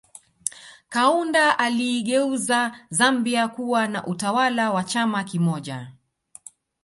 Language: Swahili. Kaunda aliigeuza Zambia kuwa na utawala wa chama kimoja